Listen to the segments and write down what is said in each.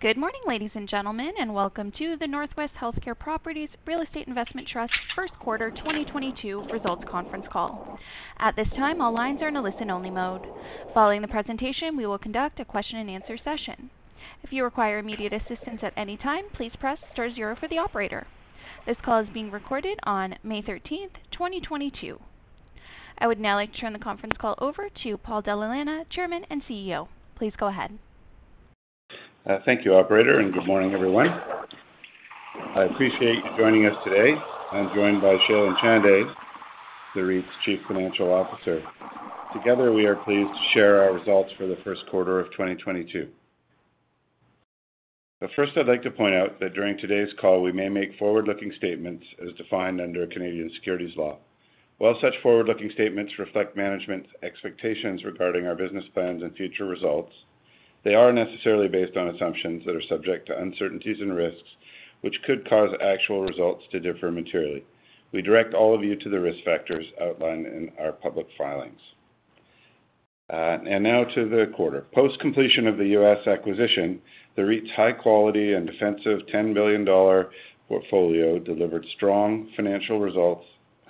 Good morning, ladies and gentlemen, and welcome to the NorthWest Healthcare Properties Real Estate Investment Trust first quarter 2022 results conference call. At this time, all lines are in a listen-only mode. Following the presentation, we will conduct a question-and-answer session. If you require immediate assistance at any time, please press star zero for the operator. This call is being recorded on May 13, 2022. I would now like to turn the conference call over to Paul Dalla Lana, Chairman and CEO. Please go ahead. Thank you, operator, and good morning, everyone. I appreciate you joining us today. I'm joined by Shailen Chande, the REIT's Chief Financial Officer. Together, we are pleased to share our results for the first quarter of 2022. First, I'd like to point out that during today's call, we may make forward-looking statements as defined under Canadian securities law. While such forward-looking statements reflect management's expectations regarding our business plans and future results, they are necessarily based on assumptions that are subject to uncertainties and risks, which could cause actual results to differ materially. We direct all of you to the risk factors outlined in our public filings. Now to the quarter. Post-completion of the US acquisition, the REIT's high quality and defensive 10 billion dollar portfolio delivered strong financial results,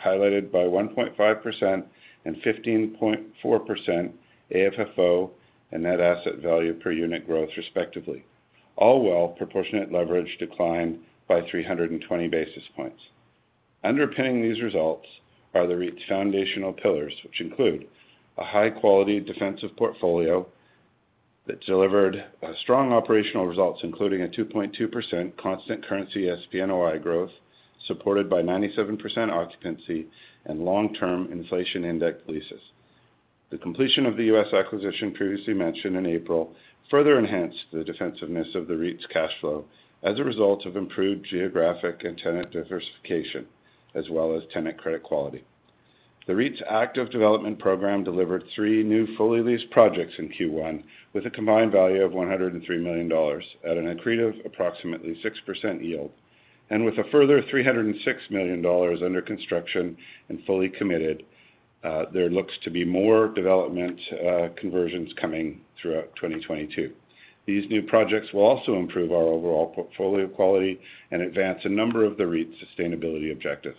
highlighted by 1.5% and 15.4% AFFO and net asset value per unit growth, respectively. Overall, proportionate leverage declined by 320 basis points. Underpinning these results are the REIT's foundational pillars, which include a high-quality defensive portfolio that delivered strong operational results, including a 2.2% constant currency SPNOI growth, supported by 97% occupancy and long-term inflation-indexed leases. The completion of the US acquisition previously mentioned in April further enhanced the defensiveness of the REIT's cash flow as a result of improved geographic and tenant diversification, as well as tenant credit quality. The REIT's active development program delivered three new fully leased projects in Q1 with a combined value of 103 million dollars at an accretive approximately 6% yield. With a further 306 million dollars under construction and fully committed, there looks to be more development conversions coming throughout 2022. These new projects will also improve our overall portfolio quality and advance a number of the REIT's sustainability objectives.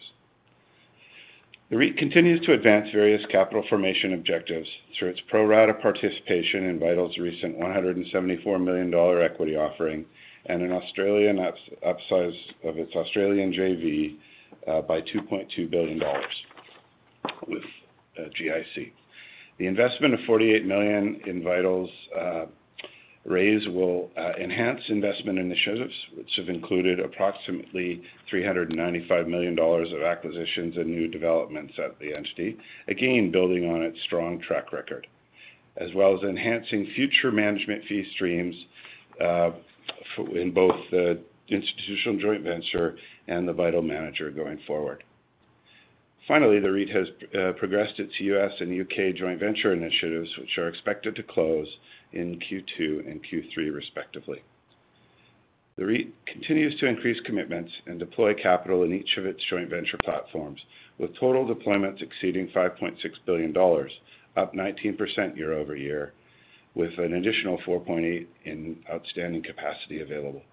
The REIT continues to advance various capital formation objectives through its pro-rata participation in Vital's recent 174 million dollar equity offering and an Australian upsize of its Australian JV by 2.2 billion dollars with GIC. The investment of 48 million in VITAL's raise will enhance investment initiatives, which have included approximately 395 million dollars of acquisitions and new developments at the entity. Again, building on its strong track record, as well as enhancing future management fee streams in both the institutional joint venture and the VITAL manager going forward. Finally, the REIT has progressed its U.S. and U.K. joint venture initiatives, which are expected to close in Q2 and Q3, respectively. The REIT continues to increase commitments and deploy capital in each of its joint venture platforms, with total deployments exceeding 5.6 billion dollars, up 19% year-over-year, with an additional 4.8 billion in outstanding capacity available.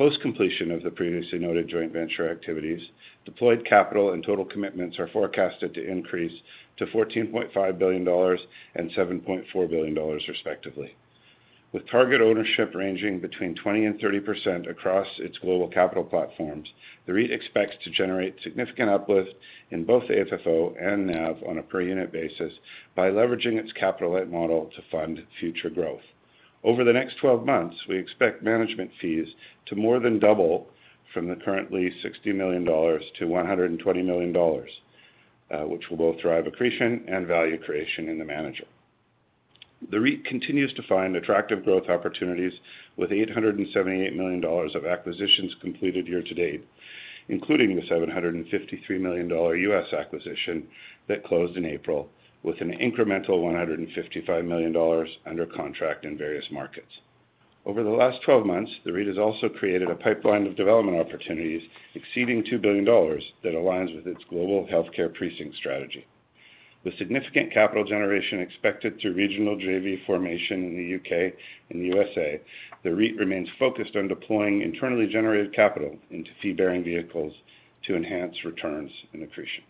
Post-completion of the previously noted joint venture activities, deployed capital and total commitments are forecasted to increase to 14.5 billion dollars and 7.4 billion dollars, respectively. With target ownership ranging between 20% and 30% across its global capital platforms, the REIT expects to generate significant uplift in both the AFFO and NAV on a per unit basis by leveraging its capital-light model to fund future growth. Over the next 12 months, we expect management fees to more than double from the current 60 million dollars to 120 million dollars, which will both drive accretion and value creation in the manager. The REIT continues to find attractive growth opportunities with 878 million dollars of acquisitions completed year to date, including the 753 million dollar U.S. acquisition that closed in April, with an incremental 155 million dollars under contract in various markets. Over the last twelve months, the REIT has also created a pipeline of development opportunities exceeding 2 billion dollars that aligns with its global healthcare precinct strategy. With significant capital generation expected through regional JV formation in the U.K. and the USA, the REIT remains focused on deploying internally generated capital into fee-bearing vehicles to enhance returns and accretion.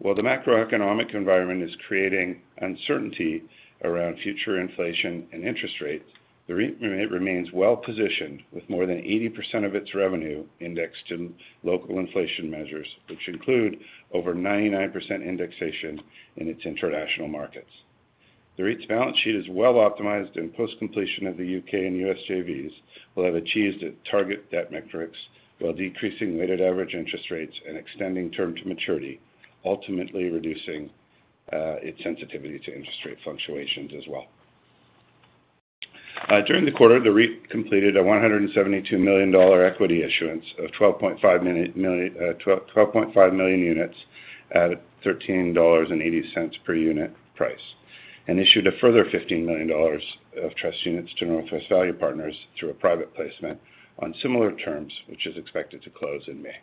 While the macroeconomic environment is creating uncertainty around future inflation and interest rates, the REIT remains well-positioned with more than 80% of its revenue indexed to local inflation measures, which include over 99% indexation in its international markets. The REIT's balance sheet is well optimized, and post-completion of the U.K. and U.S. JVs will have achieved its target debt metrics while decreasing weighted average interest rates and extending term to maturity, ultimately reducing its sensitivity to interest rate fluctuations as well. During the quarter, the REIT completed a 172 million dollar equity issuance of 12.5 million units at 13.80 dollars per unit price, and issued a further 15 million dollars of trust units to NorthWest Value Partners through a private placement on similar terms, which is expected to close in May.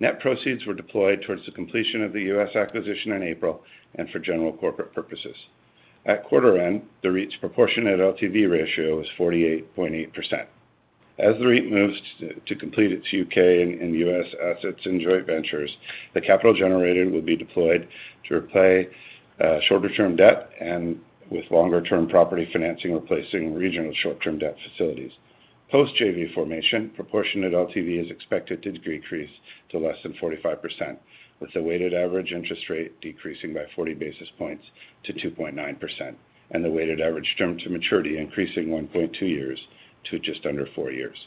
Net proceeds were deployed towards the completion of the U.S. acquisition in April and for general corporate purposes. At quarter end, the REIT's proportionate LTV ratio was 48.8%. As the REIT moves to complete its UK and US assets and joint ventures, the capital generated will be deployed to repay shorter-term debt with longer-term property financing, replacing regional short-term debt facilities. Post-JV formation, proportionate LTV is expected to decrease to less than 45%, with the weighted average interest rate decreasing by 40 basis points to 2.9%, and the weighted average term to maturity increasing 1.2 years to just under 4 years.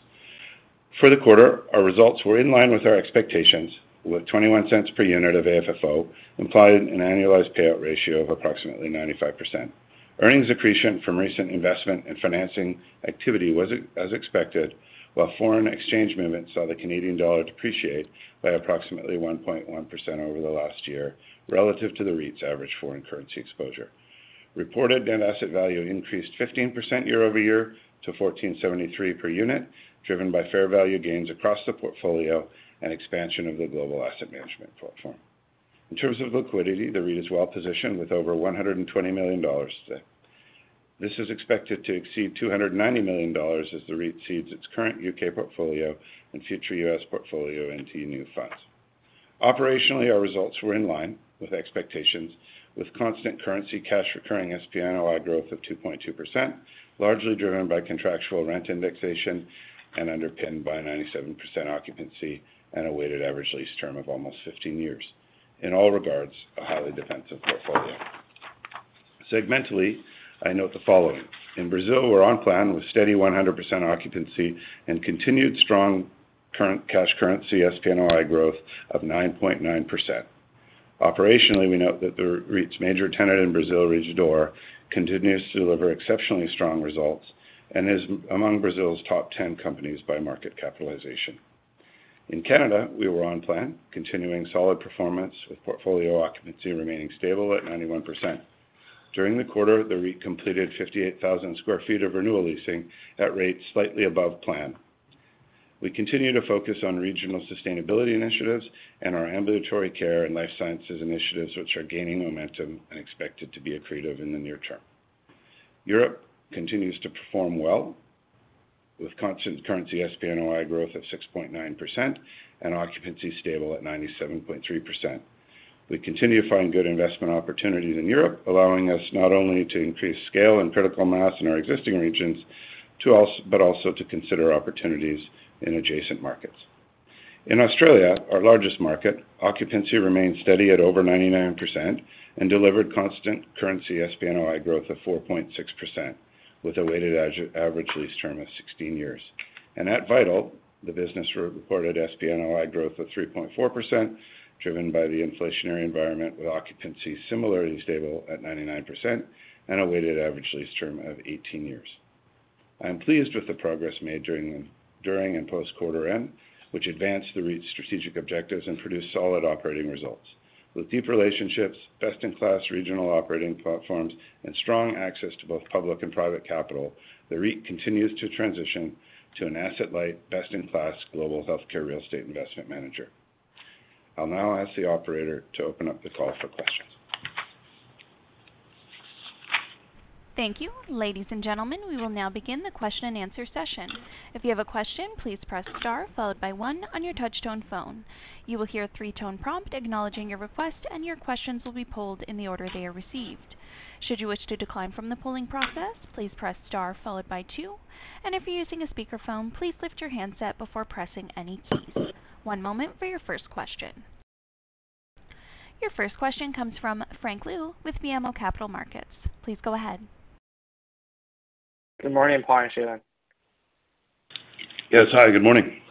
For the quarter, our results were in line with our expectations, with 0.21 per unit of AFFO, implying an annualized payout ratio of approximately 95%. Earnings accretion from recent investment and financing activity was as expected, while foreign exchange movements saw the Canadian dollar depreciate by approximately 1.1% over the last year, relative to the REIT's average foreign currency exposure. NAV increased 15% year-over-year to 1,473 per unit, driven by fair value gains across the portfolio and expansion of the global asset management platform. In terms of liquidity, the REIT is well positioned with over 120 million dollars today. This is expected to exceed 290 million dollars as the REIT cedes its current UK portfolio and future US portfolio into new funds. Operationally, our results were in line with expectations, with constant currency cash recurring SPNOI growth of 2.2%, largely driven by contractual rent indexation and underpinned by 97% occupancy and a weighted average lease term of almost 15 years. In all regards, a highly defensive portfolio. Segmentally, I note the following. In Brazil, we're on plan with steady 100% occupancy and continued strong current cash currency SPNOI growth of 9.9%. Operationally, we note that the REIT's major tenant in Brazil, Rede D'Or, continues to deliver exceptionally strong results and is among Brazil's top 10 companies by market capitalization. In Canada, we were on plan, continuing solid performance with portfolio occupancy remaining stable at 91%. During the quarter, the REIT completed 58,000 sq ft of renewal leasing at rates slightly above plan. We continue to focus on regional sustainability initiatives and our ambulatory care and life sciences initiatives, which are gaining momentum and expected to be accretive in the near term. Europe continues to perform well, with constant currency SPNOI growth of 6.9% and occupancy stable at 97.3%. We continue to find good investment opportunities in Europe, allowing us not only to increase scale and critical mass in our existing regions but also to consider opportunities in adjacent markets. In Australia, our largest market, occupancy remains steady at over 99% and delivered constant currency SPNOI growth of 4.6%, with a weighted average lease term of 16 years. At Vital, the business reported SPNOI growth of 3.4%, driven by the inflationary environment with occupancy similarly stable at 99% and a weighted average lease term of 18 years. I am pleased with the progress made during and post quarter end, which advanced the REIT's strategic objectives and produced solid operating results. With deep relationships, best-in-class regional operating platforms, and strong access to both public and private capital, the REIT continues to transition to an asset-light, best-in-class global healthcare real estate investment manager. I'll now ask the operator to open up the call for questions. Thank you. Ladies and gentlemen, we will now begin the question and answer session. If you have a question, please press star followed by one on your touch-tone phone. You will hear a three-tone prompt acknowledging your request, and your questions will be pooled in the order they are received. Should you wish to decline from the pooling process, please press star followed by two. If you're using a speakerphone, please lift your handset before pressing any keys. One moment for your first question. Your first question comes from Frank Liu with BMO Capital Markets. Please go ahead. Good morning, Paul and Shailen. Yes. Hi, good morning.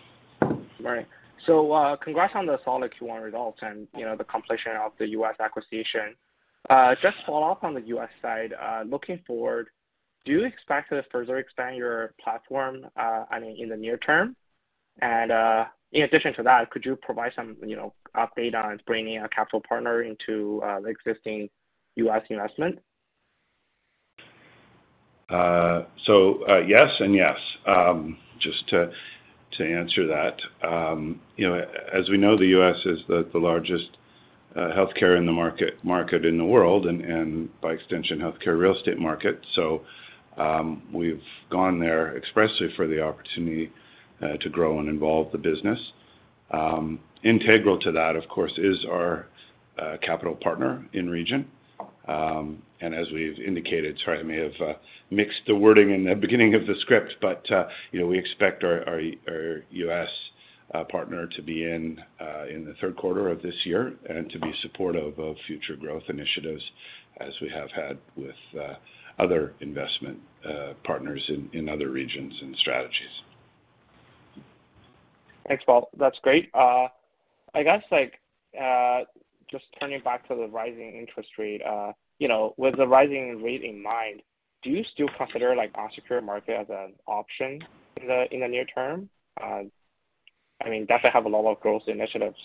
Good morning. Congrats on the solid Q1 results and, you know, the completion of the US acquisition. Just follow up on the US side, looking forward, do you expect to further expand your platform, I mean, in the near term? In addition to that, could you provide some, you know, update on bringing a capital partner into the existing US investment? Yes and yes. Just to answer that, you know, as we know, the U.S. is the largest healthcare market in the world and by extension, healthcare real estate market. We've gone there expressly for the opportunity to grow and evolve the business. Integral to that, of course, is our capital partner in the region. As we've indicated, sorry, I may have mixed the wording in the beginning of the script, but you know, we expect our U.S. partner to be in the third quarter of this year and to be supportive of future growth initiatives as we have had with other investment partners in other regions and strategies. Thanks, Paul. That's great. I guess, like, just turning back to the rising interest rate, you know, with the rising rate in mind, do you still consider, like, unsecured market as an option in the near term? I mean, that could have a lot of growth initiatives,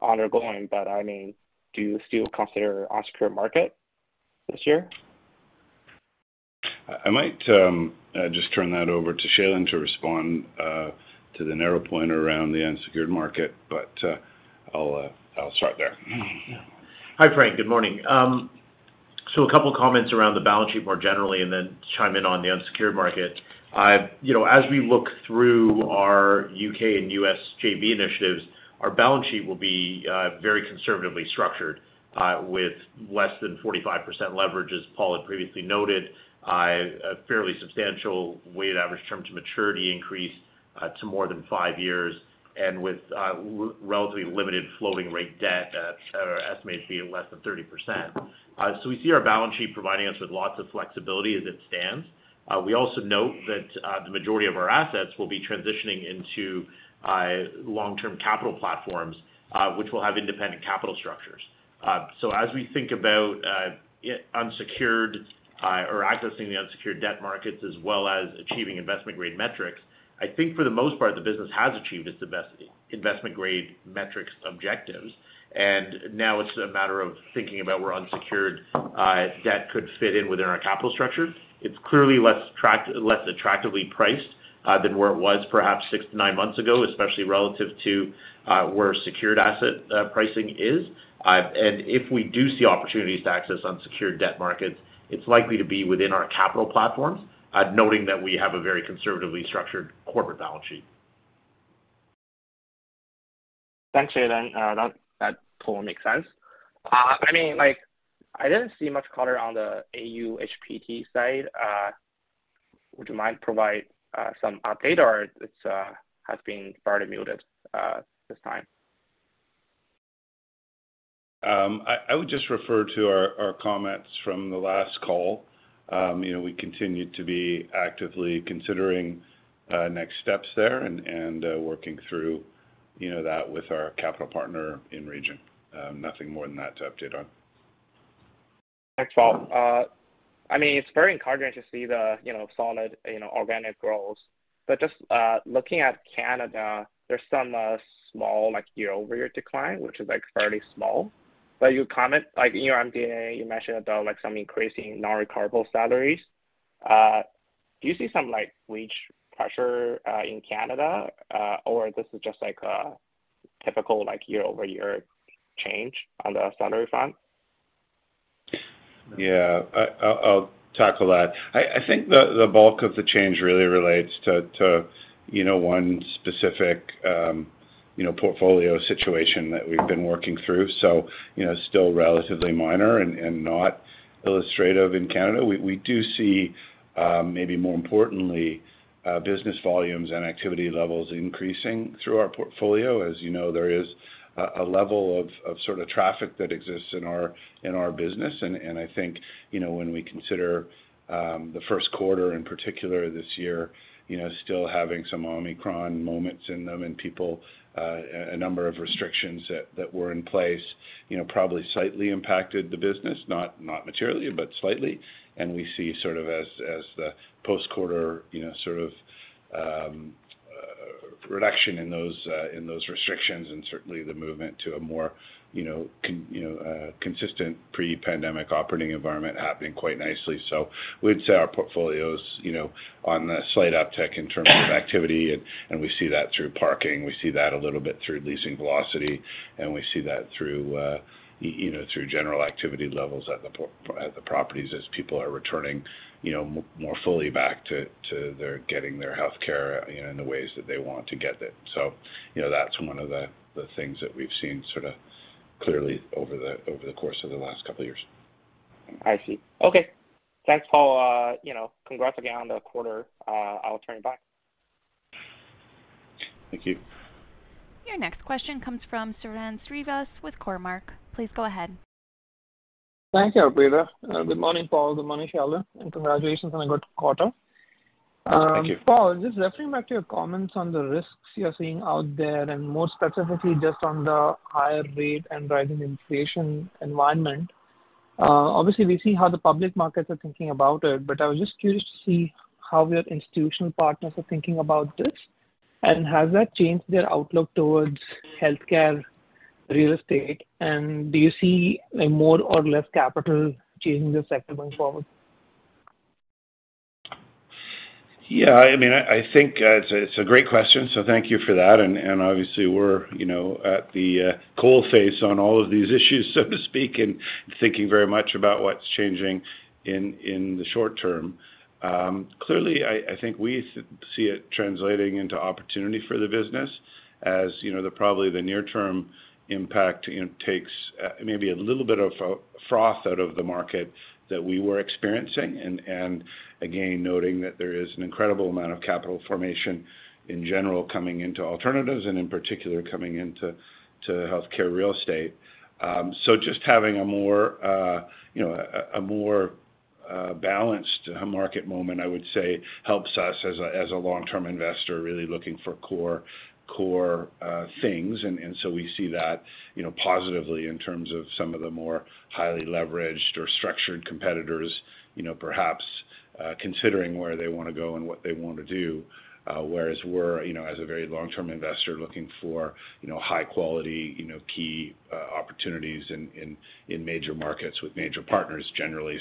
ongoing, but I mean, do you still consider unsecured market this year? I might just turn that over to Shailen to respond to the narrow point around the unsecured market, but I'll start there. Yeah. Hi, Frank. Good morning. A couple of comments around the balance sheet more generally, and then chime in on the unsecured market. You know, as we look through our UK and US JV initiatives, our balance sheet will be very conservatively structured with less than 45% leverage, as Paul had previously noted. A fairly substantial weighted average term to maturity increase to more than 5 years and with relatively limited floating rate debt at, or estimated to be at, less than 30%. We see our balance sheet providing us with lots of flexibility as it stands. We also note that the majority of our assets will be transitioning into long-term capital platforms, which will have independent capital structures. As we think about accessing the unsecured debt markets as well as achieving investment grade metrics, I think for the most part, the business has achieved its investment grade metrics objectives. Now it's a matter of thinking about where unsecured debt could fit in within our capital structure. It's clearly less attractively priced than where it was perhaps six to nine months ago, especially relative to where secured asset pricing is. If we do see opportunities to access unsecured debt markets, it's likely to be within our capital platforms, noting that we have a very conservatively structured corporate balance sheet. Thanks, Shailen. That totally makes sense. I mean, like, I didn't see much color on the AUHPT side. Would you mind providing some update or it has been fairly muted this time? I would just refer to our comments from the last call. You know, we continue to be actively considering next steps there and working through that with our capital partner in region. Nothing more than that to update on. Thanks, Paul. I mean, it's very encouraging to see the, you know, solid, you know, organic growth. Just looking at Canada, there's some small, like, year-over-year decline, which is, like, fairly small. You comment, like, in your MDA, you mentioned about, like, some increasing non-recoverable salaries. Do you see some, like, wage pressure in Canada, or this is just like a typical, like, year-over-year change on the salary front? Yeah. I'll tackle that. I think the bulk of the change really relates to, you know, one specific, you know, portfolio situation that we've been working through, so, you know, still relatively minor and not illustrative in Canada. We do see, maybe more importantly, business volumes and activity levels increasing through our portfolio. As you know, there is a level of sort of traffic that exists in our, in our business. I think, you know, when we consider, the first quarter in particular this year, you know, still having some Omicron moments in them and people, a number of restrictions that were in place, you know, probably slightly impacted the business, not materially, but slightly. We see sort of as the post-quarter, you know, sort of, reduction in those restrictions and certainly the movement to a more, you know, consistent pre-pandemic operating environment happening quite nicely. We'd say our portfolio's, you know, on a slight uptick in terms of activity, and we see that through parking. We see that a little bit through leasing velocity, and we see that through you know, through general activity levels at the properties as people are returning, you know, more fully back to their getting their healthcare, you know, in the ways that they want to get it. You know, that's one of the things that we've seen sort of clearly over the course of the last couple of years. I see. Okay. Thanks, Paul. You know, congrats again on the quarter. I'll turn it back. Thank you. Your next question comes from Sairam Srinivas with Cormark. Please go ahead. Thank you, operator. Good morning, Paul. Good morning, Shailen, and congratulations on a good quarter. Thank you. Paul, just referring back to your comments on the risks you're seeing out there, and more specifically, just on the higher rate and rising inflation environment. Obviously we see how the public markets are thinking about it, but I was just curious to see how your institutional partners are thinking about this, and has that changed their outlook towards healthcare real estate? Do you see a more or less capital changing the sector going forward? Yeah, I mean, I think it's a great question, so thank you for that. Obviously we're you know at the coal face on all of these issues, so to speak, and thinking very much about what's changing in the short term. Clearly, I think we see it translating into opportunity for the business. You know, probably the near term impact you know takes maybe a little bit of froth out of the market that we were experiencing. Again, noting that there is an incredible amount of capital formation in general coming into alternatives, and in particular coming into healthcare real estate. Just having a more you know a more balanced market moment, I would say helps us as a long-term investor, really looking for core things. We see that, you know, positively in terms of some of the more highly leveraged or structured competitors, you know, perhaps considering where they wanna go and what they wanna do. Whereas we're, you know, as a very long-term investor, looking for, you know, high quality, you know, key opportunities in major markets with major partners generally.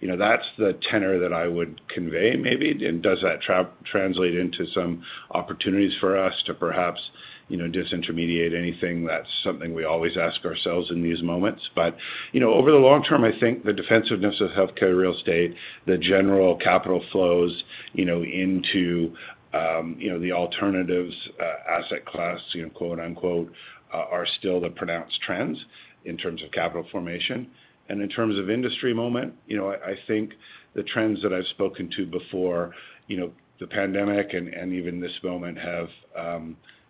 You know, that's the tenor that I would convey maybe. Does that translate into some opportunities for us to perhaps you know, disintermediate anything, that's something we always ask ourselves in these moments. Over the long term, I think the defensiveness of healthcare real estate, the general capital flows, you know, into, you know, the alternatives asset class, you know, quote, unquote, are still the pronounced trends in terms of capital formation. In terms of industry momentum, you know, I think the trends that I've spoken to before, you know, the pandemic and even this moment have,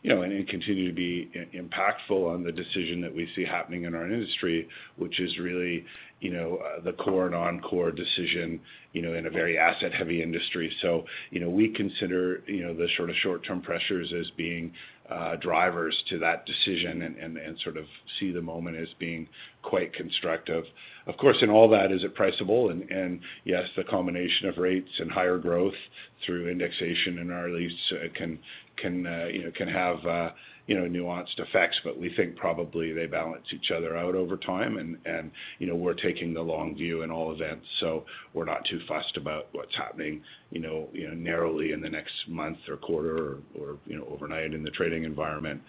you know, and continue to be impactful on the decision that we see happening in our industry, which is really, you know, the core and on-core decision, you know, in a very asset-heavy industry. You know, we consider, you know, the sort of short-term pressures as being drivers to that decision and, sort of see the moment as being quite constructive. Of course, in all that is appreciable, and yes, the combination of rates and higher growth through indexation in our lease, you know, can have, you know, nuanced effects, but we think probably they balance each other out over time and, you know, we're taking the long view in all events, so we're not too fussed about what's happening, you know, narrowly in the next month or quarter or, you know, overnight in the trading environment.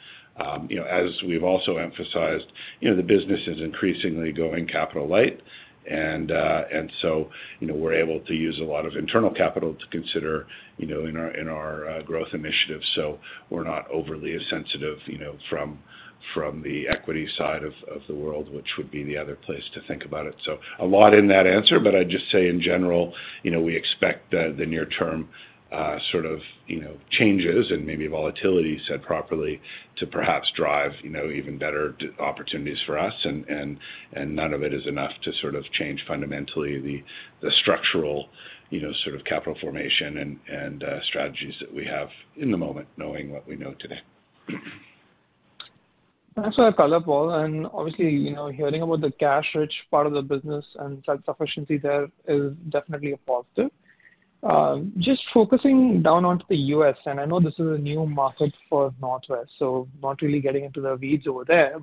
You know, as we've also emphasized, you know, the business is increasingly going capital-light. So, you know, we're able to use a lot of internal capital to consider, you know, in our growth initiatives. We're not overly as sensitive, you know, from the equity side of the world, which would be the other place to think about it. A lot in that answer, but I'd just say in general, you know, we expect the near term sort of, you know, changes and maybe volatility set properly to perhaps drive, you know, even better opportunities for us, and none of it is enough to sort of change fundamentally the structural, you know, sort of capital formation and strategies that we have in the moment knowing what we know today. Thanks for that color, Paul. Obviously, you know, hearing about the cash-rich part of the business and self-sufficiency there is definitely a positive. Just focusing down onto the U.S., and I know this is a new market for NorthWest, so not really getting into the weeds over there.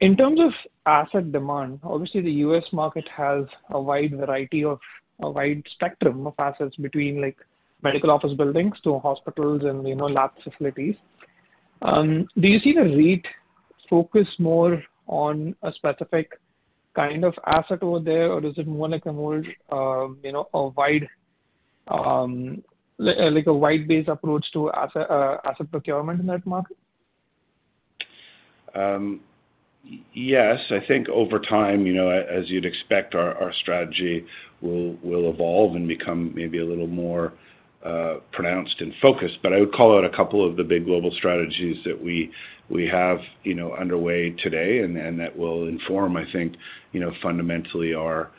In terms of asset demand, obviously the U.S. market has a wide variety of a wide spectrum of assets between like medical office buildings to hospitals and, you know, lab facilities. Do you see the REIT focus more on a specific kind of asset over there, or is it more like a more, you know, a wide, like a wide-based approach to asset procurement in that market? Yes. I think over time, you know, as you'd expect, our strategy will evolve and become maybe a little more pronounced and focused. I would call out a couple of the big global strategies that we have, you know, underway today and that will inform, I think, you know, fundamentally our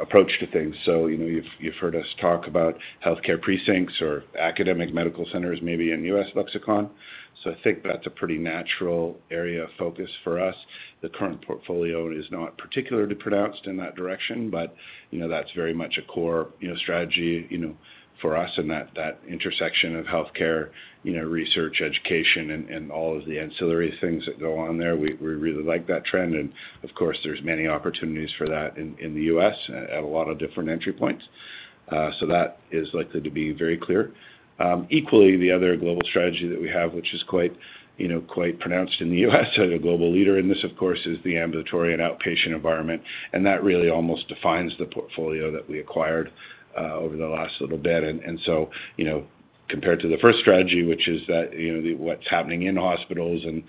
approach to things. You've heard us talk about healthcare precincts or academic medical centers maybe in U.S. lexicon. I think that's a pretty natural area of focus for us. The current portfolio is not particularly pronounced in that direction, but, you know, that's very much a core strategy for us in that intersection of healthcare, you know, research, education and all of the ancillary things that go on there. We really like that trend. Of course, there's many opportunities for that in the U.S. at a lot of different entry points. That is likely to be very clear. Equally, the other global strategy that we have, which is quite, you know, quite pronounced in the U.S. as a global leader in this, of course, is the ambulatory and outpatient environment, and that really almost defines the portfolio that we acquired over the last little bit. You know, compared to the first strategy, which is that, you know, what's happening in hospitals and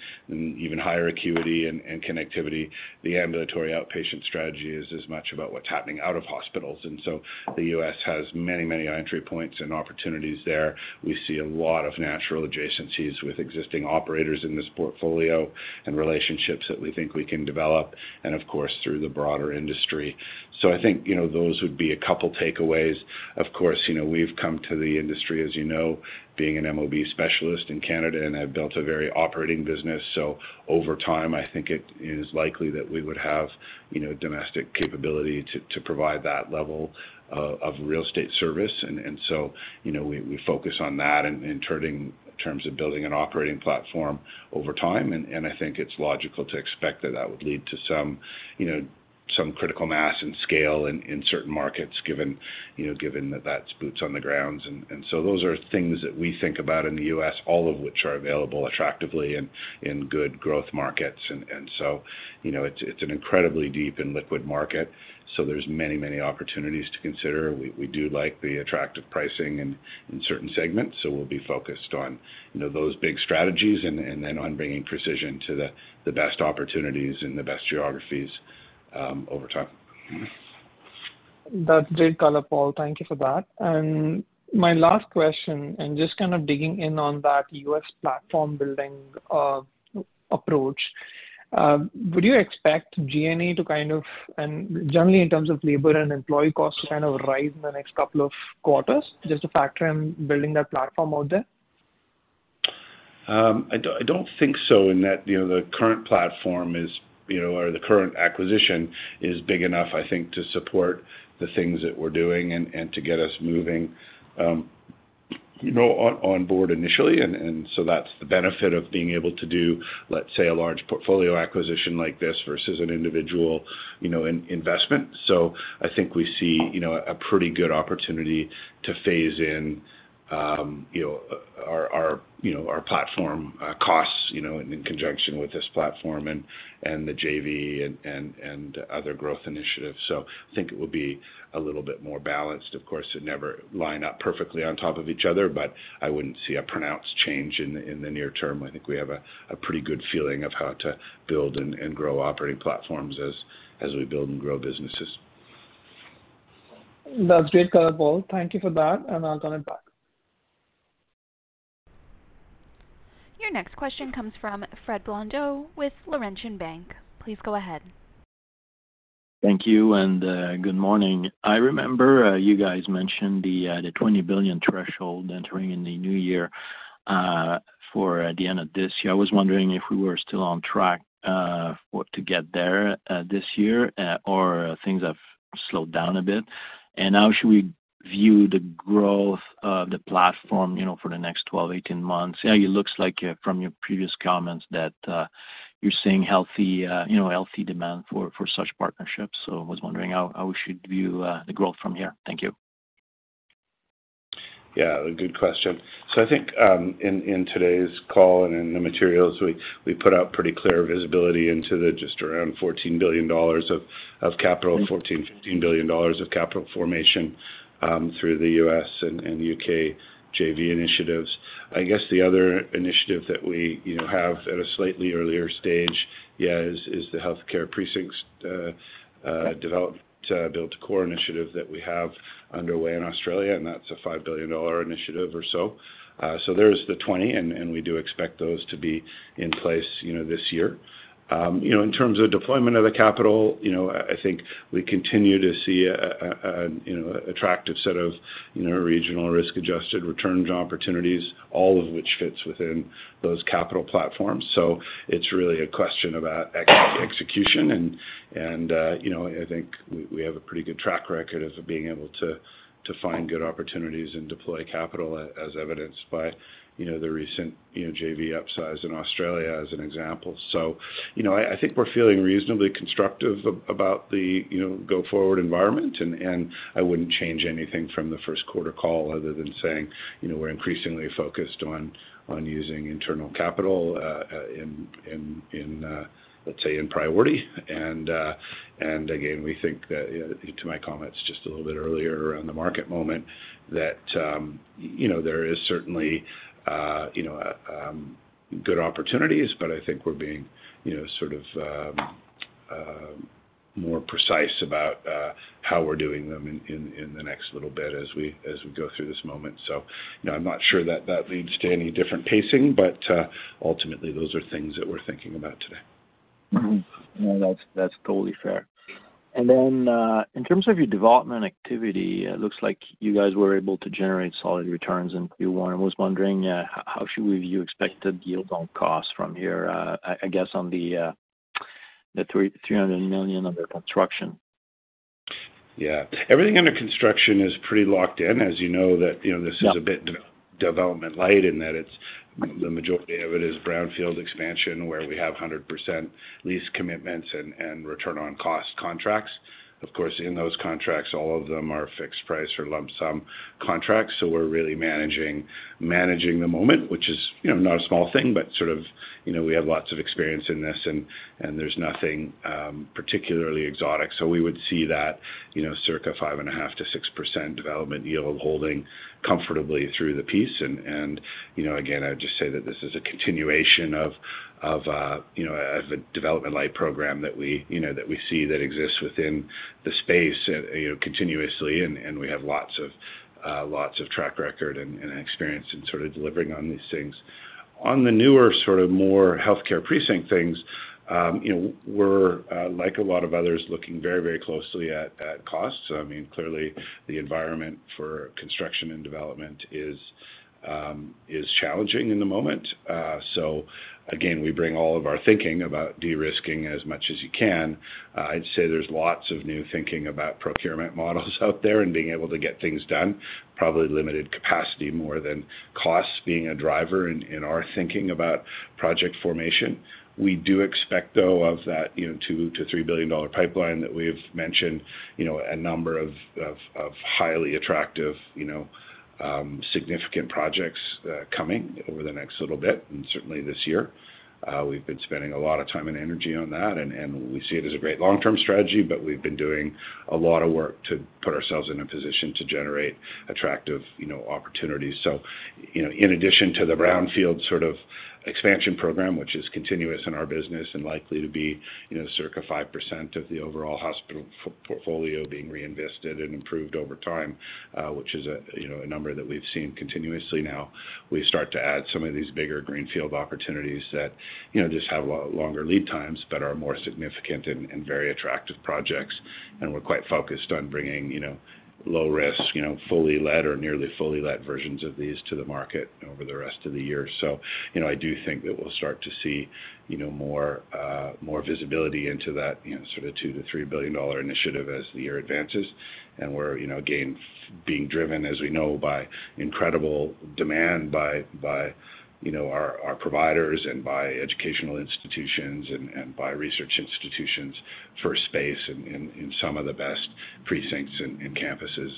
even higher acuity and connectivity, the ambulatory outpatient strategy is as much about what's happening out of hospitals. The U.S. has many, many entry points and opportunities there. We see a lot of natural adjacencies with existing operators in this portfolio and relationships that we think we can develop, and of course, through the broader industry. I think, you know, those would be a couple takeaways. Of course, you know, we've come to the industry, as you know, being an MOB specialist in Canada, and have built a very operating business. Over time, I think it is likely that we would have, you know, domestic capability to provide that level of real estate service. You know, we focus on that in terms of building an operating platform over time. I think it's logical to expect that that would lead to some, you know, some critical mass and scale in certain markets given, you know, that that's boots on the ground. Those are things that we think about in the US, all of which are available attractively in good growth markets. You know, it's an incredibly deep and liquid market, so there's many opportunities to consider. We do like the attractive pricing in certain segments, so we'll be focused on, you know, those big strategies and then on bringing precision to the best opportunities and the best geographies over time. That's great color, Paul. Thank you for that. My last question, just kind of digging in on that U.S. platform building approach, would you expect G&A and generally in terms of labor and employee costs to kind of rise in the next couple of quarters, just to factor in building that platform out there? I don't think so in that, you know, the current platform is, you know, or the current acquisition is big enough, I think, to support the things that we're doing and to get us moving. You know, on board initially. That's the benefit of being able to do, let's say, a large portfolio acquisition like this versus an individual, you know, investment. I think we see, you know, a pretty good opportunity to phase in, you know, our platform costs, you know, in conjunction with this platform and the JV and other growth initiatives. I think it will be a little bit more balanced. Of course, it'll never line up perfectly on top of each other, but I wouldn't see a pronounced change in the near term. I think we have a pretty good feeling of how to build and grow operating platforms as we build and grow businesses. That's great, Paul Dalla Lana. Thank you for that, and I'll turn it back. Your next question comes from Frederic Blondeau with Laurentian Bank. Please go ahead. Thank you, good morning. I remember you guys mentioned the 20 billion threshold entering in the new year for the end of this year. I was wondering if we were still on track for to get there this year or things have slowed down a bit. How should we view the growth of the platform, you know, for the next 12, 18 months? Yeah, it looks like from your previous comments that you're seeing healthy you know demand for such partnerships. I was wondering how we should view the growth from here. Thank you. Yeah, a good question. I think in today's call and in the materials, we put out pretty clear visibility into just around 14 billion dollars of capital, 14-15 billion dollars of capital formation through the U.S. and U.K. JV initiatives. I guess the other initiative that we, you know, have at a slightly earlier stage, yeah, is the healthcare precincts build-to-core initiative that we have underway in Australia, and that's a 5 billion dollar initiative or so. There's the 20, and we do expect those to be in place, you know, this year. You know, in terms of deployment of the capital, you know, I think we continue to see a attractive set of, you know, regional risk-adjusted returns opportunities, all of which fits within those capital platforms. It's really a question about execution and, you know, I think we have a pretty good track record of being able to find good opportunities and deploy capital as evidenced by, you know, the recent, you know, JV upsize in Australia as an example. You know, I think we're feeling reasonably constructive about the, you know, go-forward environment, and I wouldn't change anything from the first quarter call other than saying, you know, we're increasingly focused on using internal capital, let's say, in priority. Again, we think that, to my comments just a little bit earlier around the market moment, that you know there is certainly you know good opportunities, but I think we're being you know sort of more precise about how we're doing them in the next little bit as we go through this moment. You know, I'm not sure that leads to any different pacing, but ultimately, those are things that we're thinking about today. Mm-hmm. No, that's totally fair. In terms of your development activity, it looks like you guys were able to generate solid returns. I was wondering how should we view expected yield on cost from here, I guess, on the 300 million under construction? Yeah. Everything under construction is pretty locked in. As you know. Yeah This is a bit development light and that it's the majority of it is brownfield expansion, where we have 100% lease commitments and return on cost contracts. Of course, in those contracts, all of them are fixed price or lump sum contracts. We're really managing the moment, which is, you know, not a small thing, but sort of, you know, we have lots of experience in this and there's nothing particularly exotic. We would see that, you know, circa 5.5%-6% development yield holding comfortably through the piece. I would just say that this is a continuation of a development-like program that we, you know, that we see that exists within the space, you know, continuously. We have lots of track record and experience in sort of delivering on these things. On the newer sort of more healthcare precincts, you know, we're like a lot of others, looking very, very closely at costs. I mean, clearly the environment for construction and development is challenging in the moment. Again, we bring all of our thinking about de-risking as much as you can. I'd say there's lots of new thinking about procurement models out there and being able to get things done, probably limited capacity more than costs being a driver in our thinking about project formation. We do expect, though, of that, you know, $2 billion-$3 billion pipeline that we've mentioned, you know, a number of highly attractive, you know, significant projects coming over the next little bit and certainly this year. We've been spending a lot of time and energy on that, and we see it as a great long-term strategy, but we've been doing a lot of work to put ourselves in a position to generate attractive, you know, opportunities. You know, in addition to the brownfield sort of expansion program, which is continuous in our business and likely to be, you know, circa 5% of the overall hospital portfolio being reinvested and improved over time, which is a number that we've seen continuously now. We start to add some of these bigger greenfield opportunities that, you know, just have a lot longer lead times but are more significant and very attractive projects. We're quite focused on bringing, you know, low risk, you know, fully let or nearly fully let versions of these to the market over the rest of the year. You know, I do think that we'll start to see, you know, more visibility into that, you know, sort of 2 billion-3 billion dollar initiative as the year advances. We're, you know, again, being driven as we know by incredible demand by you know, our providers and by educational institutions and by research institutions for space in some of the best precincts and campuses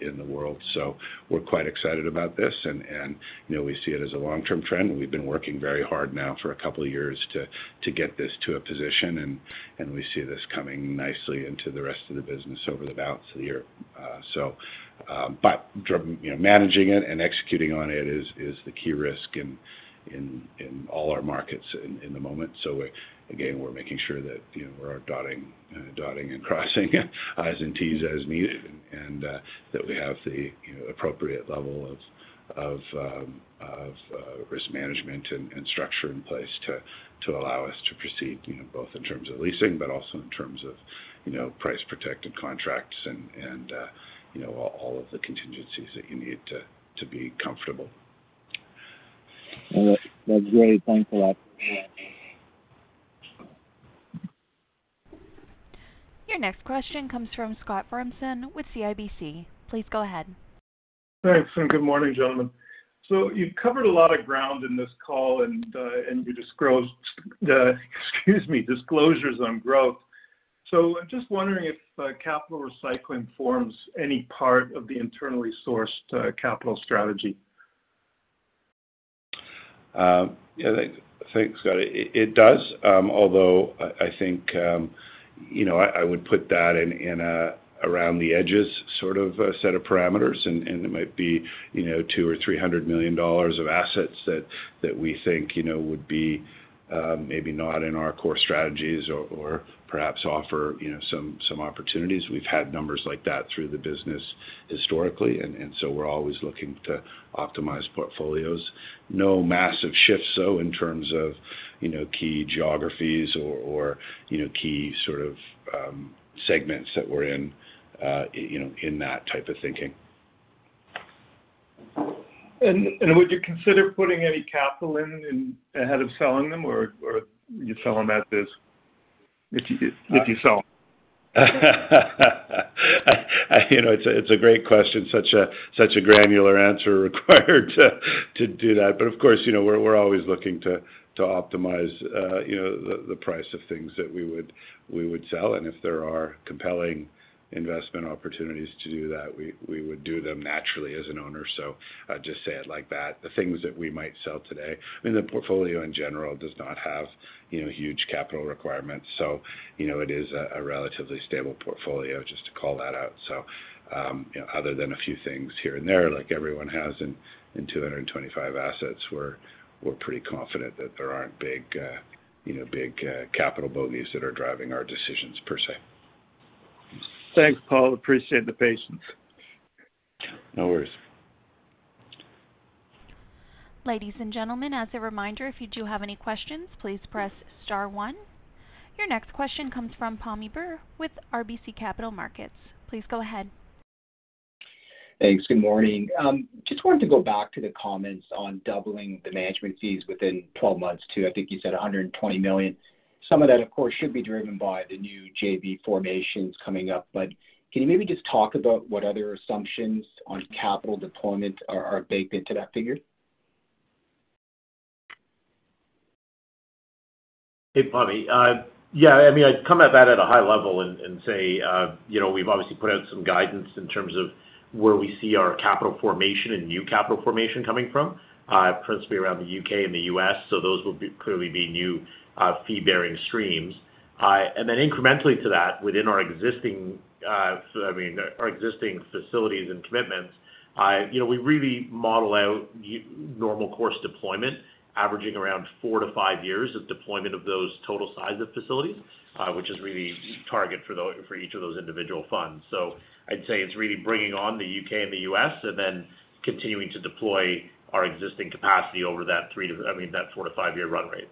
in the world. We're quite excited about this and, you know, we see it as a long-term trend. We've been working very hard now for a couple of years to get this to a position, and we see this coming nicely into the rest of the business over the balance of the year. You know, managing it and executing on it is the key risk in all our markets in the moment. Again, we're making sure that, you know, we're dotting and crossing i's and t's as needed, and that we have the, you know, appropriate level of risk management and structure in place to allow us to proceed, you know, both in terms of leasing, but also in terms of, you know, price protected contracts and, you know, all of the contingencies that you need to be comfortable. Well, that's great. Thanks a lot. Your next question comes from Scott Fromson with CIBC. Please go ahead. Thanks, and good morning, gentlemen. You've covered a lot of ground in this call and you disclosed, excuse me, disclosures on growth. I'm just wondering if capital recycling forms any part of the internally sourced capital strategy. Yeah, thanks, Scott. It does, although I think, you know, I would put that in around the edges sort of set of parameters, and it might be, you know, 200 million or 300 million dollars of assets that we think, you know, would be maybe not in our core strategies or perhaps offer, you know, some opportunities. We've had numbers like that through the business historically, and so we're always looking to optimize portfolios. No massive shifts, though, in terms of, you know, key geographies or, you know, key sort of segments that we're in, you know, in that type of thinking. Would you consider putting any capital in ahead of selling them, or you sell them as is? If you sell them. You know, it's a great question, such a granular answer required to do that. Of course, you know, we're always looking to optimize, you know, the price of things that we would sell, and if there are compelling investment opportunities to do that, we would do them naturally as an owner. I'd just say it like that. The things that we might sell today, I mean, the portfolio in general does not have, you know, huge capital requirements. You know, it is a relatively stable portfolio just to call that out. Other than a few things here and there, like everyone has in 225 assets, we're pretty confident that there aren't big capital bogeys that are driving our decisions per se. Thanks, Paul. Appreciate the patience. No worries. Ladies and gentlemen, as a reminder, if you do have any questions, please press star one. Your next question comes from Pammi Bir with RBC Capital Markets. Please go ahead. Thanks. Good morning. Just wanted to go back to the comments on doubling the management fees within 12 months to, I think you said 120 million. Some of that, of course, should be driven by the new JV formations coming up. Can you maybe just talk about what other assumptions on capital deployment are baked into that figure? Hey, Pammi. Yeah, I mean, I'd come at that at a high level and say, you know, we've obviously put out some guidance in terms of where we see our capital formation and new capital formation coming from, principally around the U.K. and the U.S. Those will clearly be new fee-bearing streams. And then incrementally to that, within our existing, I mean, our existing facilities and commitments, you know, we really model out normal course deployment, averaging around 4-5 years of deployment of those total size of facilities, which is really target for each of those individual funds. I'd say it's really bringing on the U.K. and the U.S. and then continuing to deploy our existing capacity over that 4-5-year run rate.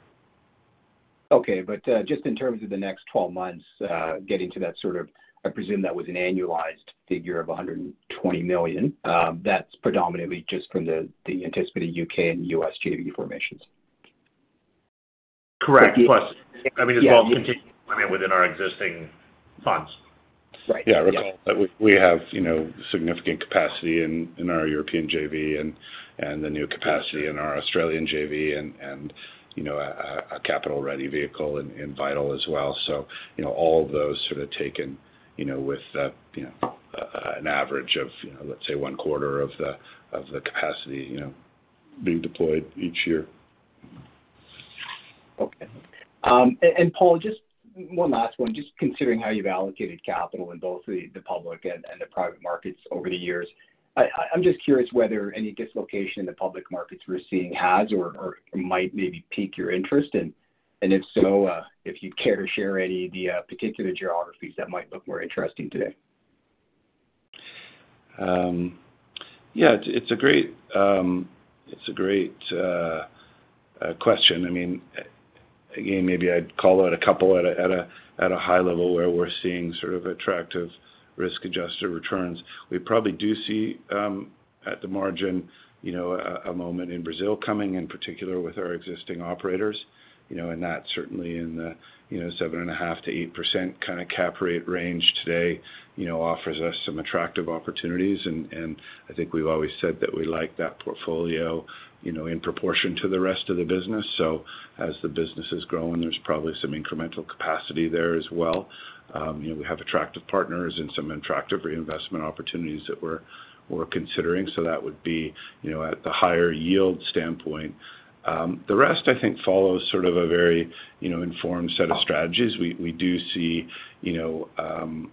Just in terms of the next 12 months, getting to that sort of, I presume that was an annualized figure of 120 million. That's predominantly just from the anticipated UK and US JV formations. Correct. Plus, I mean, as well as continuing planning within our existing funds. Right. Yeah. Recall that we have, you know, significant capacity in our European JV and the new capacity in our Australian JV and, you know, a capital-ready vehicle in Vital as well. You know, all of those sort of taken, you know, with an average of, you know, let's say one quarter of the capacity, you know, being deployed each year. Paul, just one last one. Just considering how you've allocated capital in both the public and the private markets over the years. I'm just curious whether any dislocation in the public markets we're seeing has or might maybe pique your interest. If so, if you'd care to share any of the particular geographies that might look more interesting today. Yeah, it's a great question. I mean, again, maybe I'd call out a couple at a high level where we're seeing sort of attractive risk-adjusted returns. We probably do see, at the margin, you know, a moment in Brazil coming in particular with our existing operators, you know, and that certainly in the, you know, 7.5%-8% kind of cap rate range today, you know, offers us some attractive opportunities, and I think we've always said that we like that portfolio, you know, in proportion to the rest of the business. As the business is growing, there's probably some incremental capacity there as well. You know, we have attractive partners and some attractive reinvestment opportunities that we're considering, so that would be, you know, at the higher yield standpoint. The rest I think follows sort of a very, you know, informed set of strategies. We do see, you know,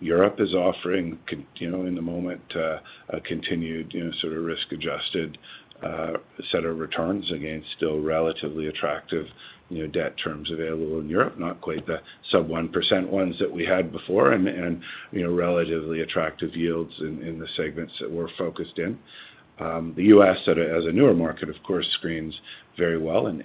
Europe is offering you know, in the moment, a continued, you know, sort of risk-adjusted, set of returns against still relatively attractive, you know, debt terms available in Europe, not quite the sub-1% ones that we had before. You know, relatively attractive yields in the segments that we're focused in. The US as a newer market, of course, screens very well and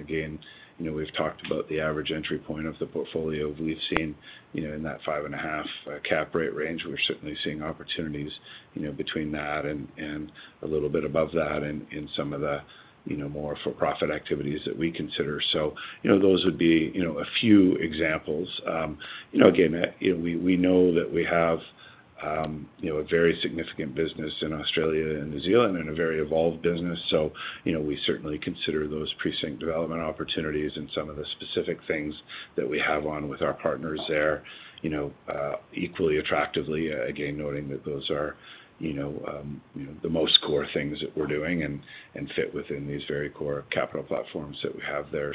again, you know, we've talked about the average entry point of the portfolio. We've seen, you know, in that 5.5 cap rate range. We're certainly seeing opportunities, you know, between that and a little bit above that in some of the, you know, more for-profit activities that we consider. So, you know, those would be, you know, a few examples. You know, again, you know, we know that we have, you know, a very significant business in Australia and New Zealand and a very evolved business. So, you know, we certainly consider those precinct development opportunities and some of the specific things that we have on with our partners there, you know, equally attractively, again, noting that those are, you know, the most core things that we're doing and fit within these very core capital platforms that we have there.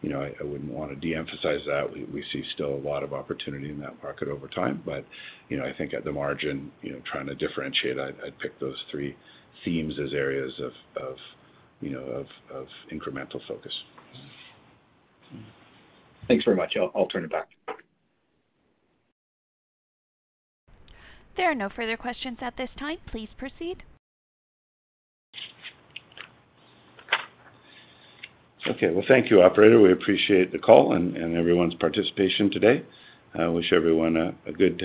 you know, I wouldn't wanna de-emphasize that. We see still a lot of opportunity in that market over time. you know, I think at the margin, you know, trying to differentiate, I'd pick those three themes as areas of you know, of incremental focus. Thanks very much. I'll turn it back. There are no further questions at this time. Please proceed. Okay. Well, thank you, operator. We appreciate the call and everyone's participation today. I wish everyone a good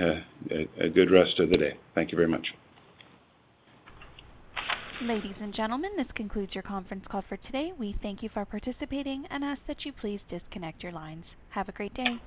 rest of the day. Thank you very much. Ladies and gentlemen, this concludes your conference call for today. We thank you for participating and ask that you please disconnect your lines. Have a great day.